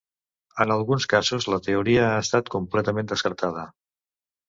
En alguns casos, la teoria ha estat completament descartada.